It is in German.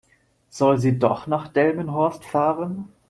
Soll sie doch nach Delmenhorst fahren?